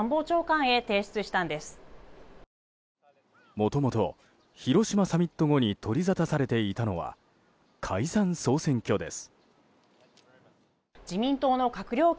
もともと、広島サミット後に取りざたされていたのは解散・総選挙です。